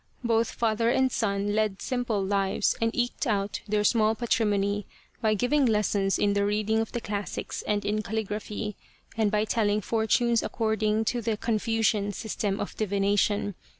Both father and son led simple lives and eked out their small patrimony by giving lessons in the reading of the classics and in calligraphy, and by telling for tunes according to the Confucian system of divination.